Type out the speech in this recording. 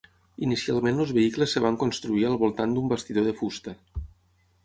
Inicialment els vehicles es van construir al voltant d'un bastidor de fusta.